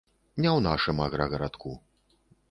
Не ў нашым аграгарадку.